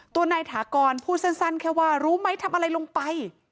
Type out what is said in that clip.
ตัวนายถากรพูดสั้นแค่ว่ารู้ไหมทำอะไรลงไป